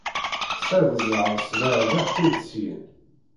Tesɛiḍ ẓẓher ssbeɛdeɣ-k-id syin.